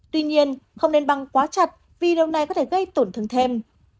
tuy nhiên không nên băng quá chặt vì điều này có thể gây tổn thương thêm